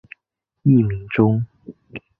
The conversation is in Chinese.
艺名中。